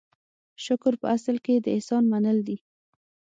شکر په اصل کې د احسان منل دي.